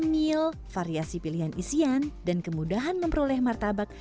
mil variasi pilihan isian dan kemudahan memperoleh martabak